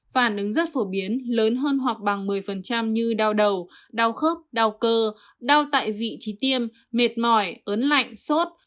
phản ứng rất phổ biến lớn hơn hoặc bằng một mươi như đau đầu đau khớp đau cơ đau tại vị trí tiêm mệt mỏi ớn lạnh sốt